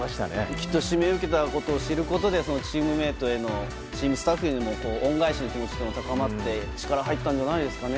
きっと、指名を受けたことを知ることでチームメートやチームスタッフへの恩返しの気持ちも高まったんじゃないですかね。